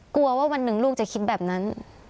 กลัวว่าวันหนึ่งลูกจะคิดแบบนั้น